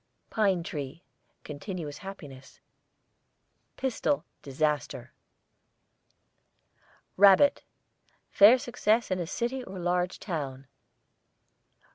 PINE TREE, continuous happiness. PISTOL, disaster. RABBIT, fair success in a city or large town.